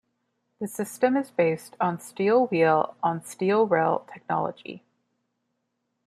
The system is based on steel wheel on steel rail technology.